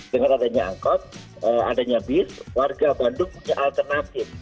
dengan adanya angkot adanya bis warga bandung punya alternatif